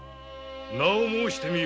名を申してみよ。